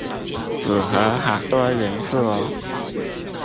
符合好多元素喔